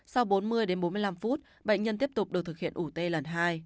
sau bốn mươi bốn mươi năm phút bệnh nhân tiếp tục được thực hiện ủ tê lần hai